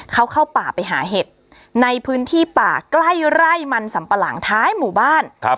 เขาเข้าป่าไปหาเห็ดในพื้นที่ป่าใกล้ไร่มันสัมปะหลังท้ายหมู่บ้าน